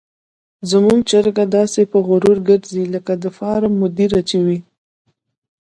زموږ چرګه داسې په غرور ګرځي لکه د فارم مدیره چې وي.